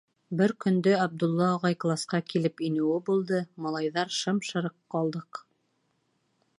Бер көндө Абдулла ағай класҡа килеп инеүе булды, малайҙар шым-шырыҡ ҡалдыҡ.